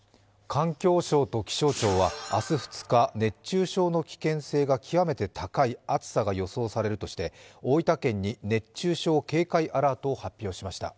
環境省と気象庁は明日２日熱中症の危険性が極めて高い暑さが予想されるとして、大分県に熱中症警戒アラートを発表しました。